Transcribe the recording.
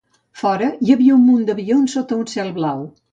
Fora hi havia un munt d'avions sota un cel blau.